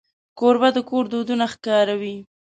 کوربه د کور دودونه ښکاروي.